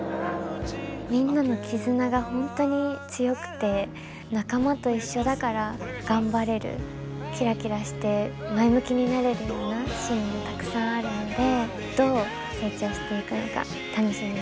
みんなの絆が本当に強くて仲間と一緒だから頑張れるキラキラして前向きになれるようなシーンもたくさんあるのでどう成長していくのか楽しみにしていただけたらうれしいです。